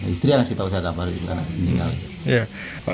istri yang masih tak usah kabar juga anaknya meninggal